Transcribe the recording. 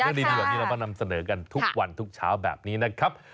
เรื่องดีแบบนี้เราก็นำเสนอกันทุกวันทุกเช้าแบบนี้นะครับ